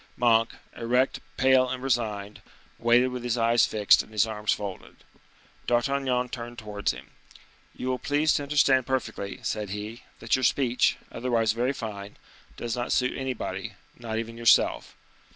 Monk, erect, pale, and resigned, waited with his eyes fixed and his arms folded. D'Artagnan turned towards him. "You will please to understand perfectly," said he, "that your speech, otherwise very fine, does not suit anybody, not even yourself.